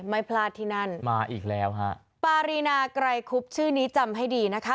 ไม่พลาดที่นั่นมาอีกแล้วฮะปารีนาไกรคุบชื่อนี้จำให้ดีนะคะ